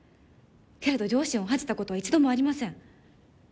けれど両親を恥じたことは一度もありません。